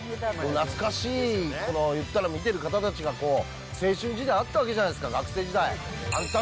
懐かしい、この、言ったら見てる方たちがこう、青春時代あったわけじゃないですか、学生時代。